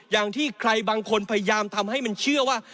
อย่างที่ใครบางคนพยายามทำให้มันเชื่อว่า